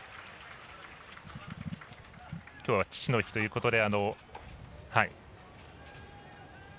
きょうは父の日ということで。